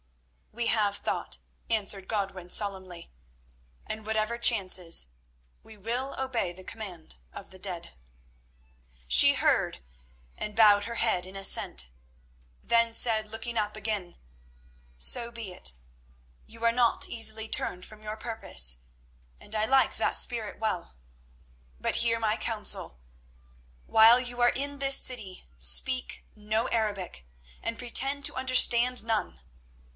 "We have thought," answered Godwin solemnly; "and, whatever chances, we will obey the command of the dead." She heard and bowed her head in assent, then said, looking up again: "So be it. You are not easily turned from your purpose, and I like that spirit well. But hear my counsel. While you are in this city speak no Arabic and pretend to understand none.